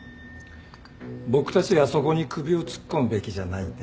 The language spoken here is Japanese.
僕たちがそこに首を突っ込むべきじゃないね。